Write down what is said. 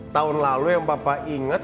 tahun lalu yang papa inget